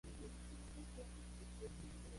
El estilo es denso.